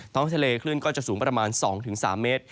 ท้องทะเลคลื่นก็จะสูงประมาณ๒๓เมตร